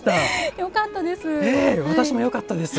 よかったです。